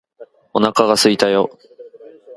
お腹がすいたよ